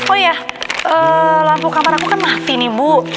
oh ya lampu kamar aku kan mati nih bu